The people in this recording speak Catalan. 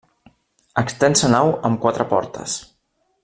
Extensa nau amb quatre portes.